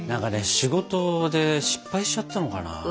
仕事で失敗しちゃったのかな。